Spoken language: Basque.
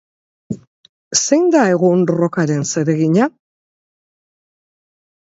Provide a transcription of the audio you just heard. Zein da, egun, rockaren zeregina?